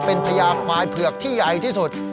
เป็นพญาควายเผือกที่ใหญ่ที่สุด